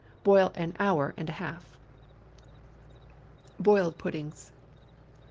Boil an hour and a half. BOILED PUDDINGS.